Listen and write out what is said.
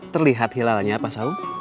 terlihat hilalnya pak saum